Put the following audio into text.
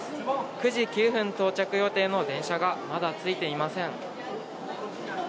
９時９分到着予定の電車がまだ着いていません。